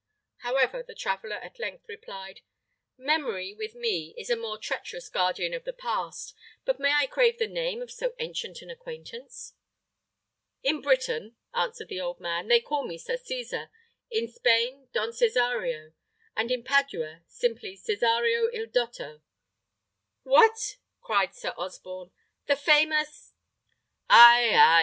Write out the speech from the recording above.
However, the traveller at length replied, "Memory, with me, is a more treacherous guardian of the past; but may I crave the name of so ancient an acquaintance?" "In Britain," answered the old man, "they call me Sir Cesar; in Spain, Don Cesario; and in Padua, simply Cesario il dotto." "What!" cried Sir Osborne, "the famous ?" "Ay, ay!"